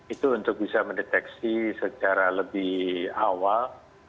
itu untuk bisa mendeteksi secara lebih awal